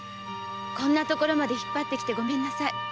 こんな所まで引っ張ってきてごめんなさい。